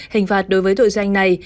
hành phạt đối với tội danh này